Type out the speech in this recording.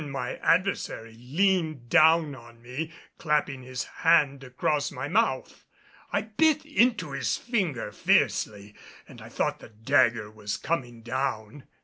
Then my adversary leaned down on me, clapping his hand across my mouth. I bit into his finger fiercely and thought the dagger was coming down.